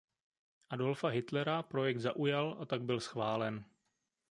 Adolfa Hitlera projekt zaujal a tak byl schválen.